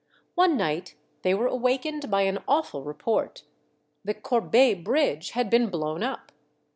One night they were awakened by an awful report! The Corbeil bridge had been blown up.